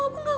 aku gak mau